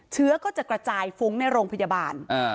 เชื้อก็จะกระจายฟุ้งในโรงพยาบาล